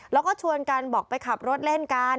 แล้วก็ชวนกันบอกไปขับรถเล่นกัน